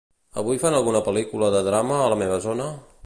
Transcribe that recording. Avui fan alguna pel·lícula de drama a la meva zona?